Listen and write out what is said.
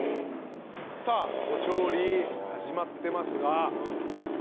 さあもう調理始まってますがこれ。